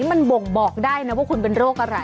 มันบ่งบอกได้นะว่าคุณเป็นโรคอะไร